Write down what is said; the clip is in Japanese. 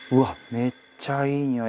めっちゃいいにおい！